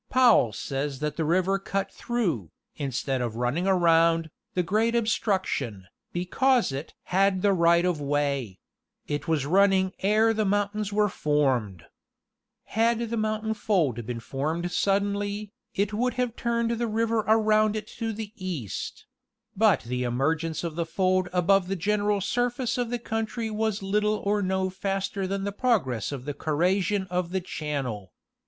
Powell says that the river cut through, instead of running around, the great ob struction, because it "had the right of way; .. it was running ere the mountains were formed." Had the mountain fold been formed suddenly, it would have turned the river around it to the east ; "but the emergence of the fold above the general surface of the country was little or no faster than the pregress of the cor rasion of the channel?